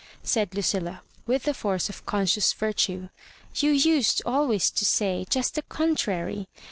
said Ludlla, with the force of conscious virtue; "you used always to say just the contrary.